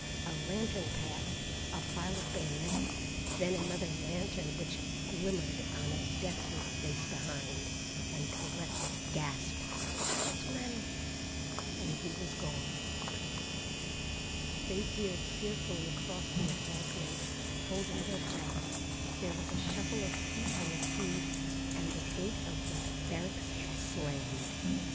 A lantern passed, a file of bayonets, then another lantern which glimmered on a deathly face behind, and Colette gasped, "Hartman!" and he was gone. They peered fearfully across the embankment, holding their breath. There was a shuffle of feet on the quay, and the gate of the barracks slammed.